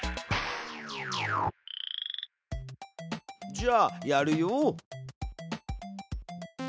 じゃあやるよ。